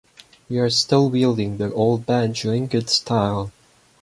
We are still wielding the old banjo in good style.